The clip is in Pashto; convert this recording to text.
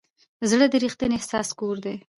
زړه د ریښتیني احساس کور دی.